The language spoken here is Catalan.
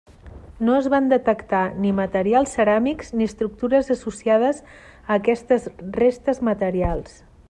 No es van detectar ni materials ceràmics ni estructures associades a aquestes restes materials.